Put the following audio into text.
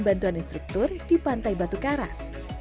bantuan instruktur di pantai batu karas